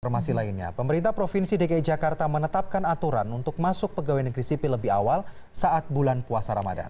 informasi lainnya pemerintah provinsi dki jakarta menetapkan aturan untuk masuk pegawai negeri sipil lebih awal saat bulan puasa ramadan